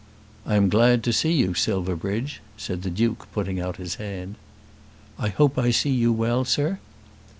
"I am glad to see you, Silverbridge," said the Duke, putting out his hand. "I hope I see you well, sir."